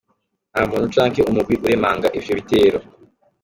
Nta muntu canke umugwi uremanga ivyo bitero.